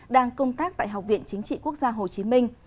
đang công tác tại học viện chính trị quốc gia hồ chí minh